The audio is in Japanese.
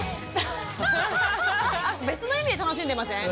別の意味で楽しんでません？